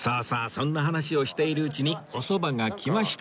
そんな話をしているうちにお蕎麦が来ました